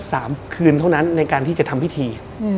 สามคืนเท่านั้นในการที่จะทำพิธีอืม